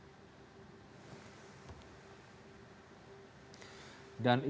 rumah sakit umum anuta pura di kota palu sulawesi tenggara